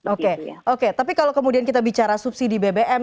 oke oke tapi kalau kemudian kita bicara subsidi bbm